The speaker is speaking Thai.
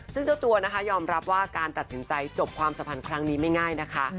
ซึ่งเจ้าตัวนะคะยอมรับว่าการตัดสินใจจบความสัมพันธ์ครั้งนี้ไม่ง่ายนะคะ